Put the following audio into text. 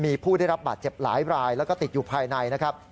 มีผู้ได้รับบาดเจ็บหลายรายแล้วก็ติดอยู่ภายในนะครับ